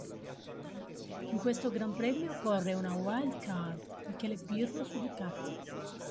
In questo Gran Premio corre una wildcard: Michele Pirro, su Ducati.